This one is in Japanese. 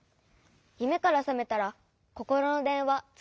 ゆめからさめたらココロのでんわつかえないでしょ。